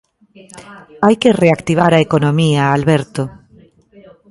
Hai que reactivar a economía, Alberto...